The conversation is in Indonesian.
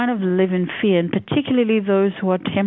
hidup dengan ketakutan terutama